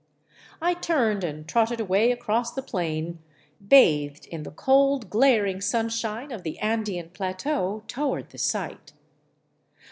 I turned and trotted away across the plain, bathed in the cold, glaring sunshine of the Andean plateau, toward the site.